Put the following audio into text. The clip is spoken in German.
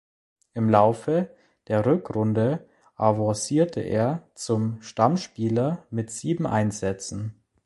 Im Laufe der Rückrunde avancierte er zum Stammspieler mit sieben Einsätzen.